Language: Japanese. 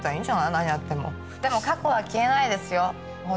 何やってもでも過去は消えないですよ